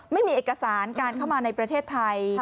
ไม่มีเอกสารการเข้ามาในประเทศไทย